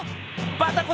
バタコ！